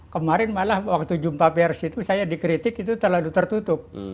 kemarin malah waktu jumpa pers itu saya dikritik itu terlalu tertutup